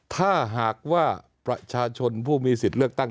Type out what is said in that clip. ถ้าหากว่าประชาชนผู้มีสิทธิ์เลือกตั้ง